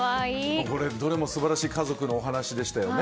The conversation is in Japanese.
どれも素晴らしい家族のお話でしたね。